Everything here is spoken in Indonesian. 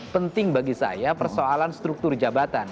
penting bagi saya persoalan struktur jabatan